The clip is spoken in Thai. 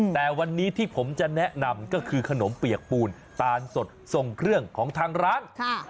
แต่วันนี้ที่ผมจะแนะนำก็คือขนมเปียกปูนตาลสดทรงเครื่องของทางร้าน